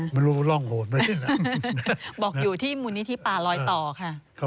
มันรู้ว่าล่องโหดไหมที่นั่ง